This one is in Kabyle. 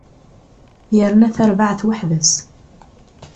Yerna tarbaεt weḥd-s.